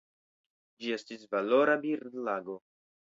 Ĝi estis valora birdlago.